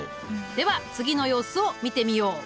では次の様子を見てみよう。